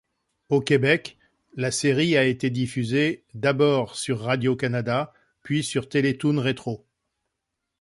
Au Québec, la série a été diffusée, d'abord sur Radio-Canada, puis sur Télétoon Rétro.